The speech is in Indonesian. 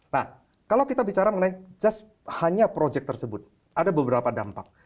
nah kalau kita bicara mengenai just hanya project tersebut ada beberapa dampak